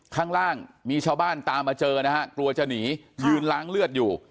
ข้างล่างมีชาวบ้านตามมาเจอนะฮะกลัวจะหนียืนล้างเลือดอยู่